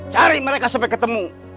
cari mereka sampai ketemu